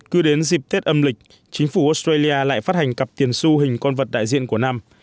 cứ đến dịp tết âm lịch chính phủ australia lại phát hành cặp tiền su hình con vật đại diện của năm